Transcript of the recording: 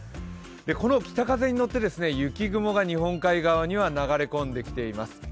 この北風に乗って雪雲が日本海側には流れ込んでいます。